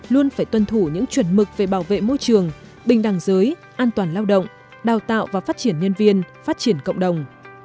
luôn phải tuân thủ những chuẩn mực về bảo vệ môi trường bình đẳng giới an toàn lao động đào tạo và phát triển nhân viên phát triển cộng đồng